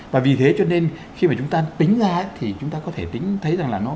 và vì thế cho nên khi mà chúng ta tính ra thì chúng ta có thể tính thấy rằng là nó